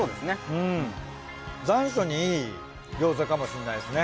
うん残暑にいい餃子かもしれないですね。